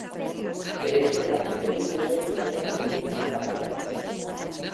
Bere izena, bere gurasoen izenen konbinaketa bat da.